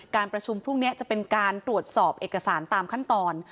การประชุมพรุ่งนี้จะเป็นการตรวจสอบเอกสารตามขั้นตอน